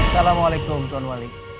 assalamualaikum tuan wali